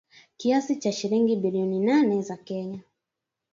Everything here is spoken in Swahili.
Kiasi cha shilingi bilioni nane za Kenya